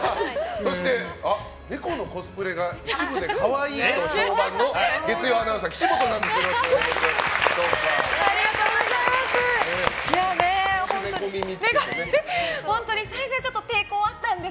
そして、ネコのコスプレが一部で可愛いと評判の月曜アナウンサー岸本アナウンサーです。